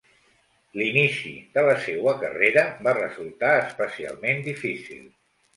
L'inici de la seua carrera va resultar especialment difícil.